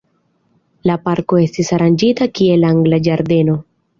La parko estis aranĝita kiel angla ĝardeno.